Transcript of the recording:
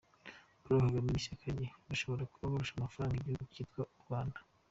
Paul Kagame n’ishyaka rye bashobora kuba barusha amafaranga igihugu cyitwa u Rwanda!